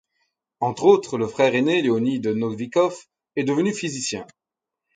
Entre autres, le frère aîné, Leonid Novikov, est devenu physicien.